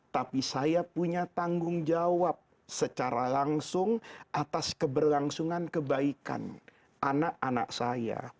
tapi saya punya tanggung jawab secara langsung atas keberlangsungan kebaikan anak anak saya